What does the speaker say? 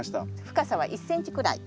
深さは１ｃｍくらい。